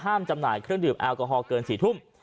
จำหน่ายเครื่องดื่มแอลกอฮอลเกิน๔ทุ่ม